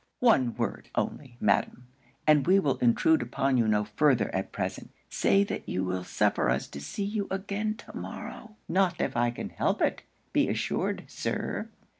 'One word, only, madam, and we will intrude upon you no farther at present: say that you will suffer us to see you again to morrow.' 'Not if I can help it, be assured, Sir.'